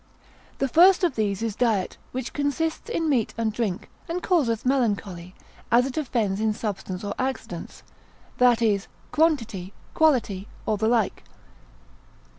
The first of these is diet, which consists in meat and drink, and causeth melancholy, as it offends in substance, or accidents, that is, quantity, quality, or the like.